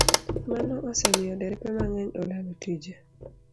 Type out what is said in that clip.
Mano osemiyo derepe mang'eny olalo tije